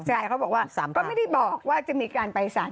ใช่ก็ไม่ได้บอกว่ามีการไปศาล